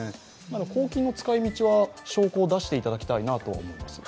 公金の使いみちは証拠を出していただきたいなと思います。